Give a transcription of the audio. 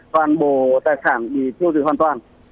toàn bộ tài sản thì chưa được hoàn toàn